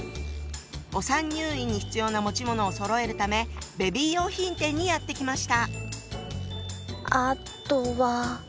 お産入院に必要な持ち物をそろえるためベビー用品店にやって来ました。